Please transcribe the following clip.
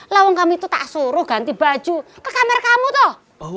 lawang kami itu tak suruh ganti baju ke kamar kamu toh